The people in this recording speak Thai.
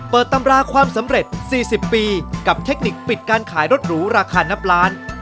ตำราความสำเร็จ๔๐ปีกับเทคนิคปิดการขายรถหรูราคานับล้าน